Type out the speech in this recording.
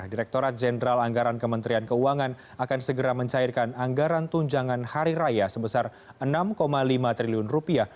direkturat jenderal anggaran kementerian keuangan akan segera mencairkan anggaran tunjangan hari raya sebesar enam lima triliun rupiah